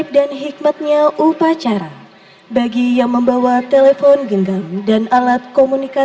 bapak erik thohir begitu ya